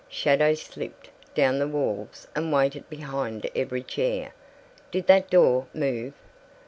Shadows slipped down the walls and waited behind every chair. Did that door move?